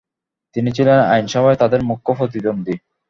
তিনি ছিলেন আইনসভায় তাদের মূখ্য প্রতিদ্বন্দী।